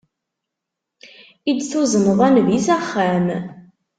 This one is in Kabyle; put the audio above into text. I d-tuzneḍ a Nnbi s axxam.